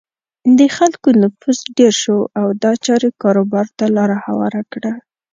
د خلکو نفوس ډېر شو او دا چارې کاروبار ته لاره هواره کړه.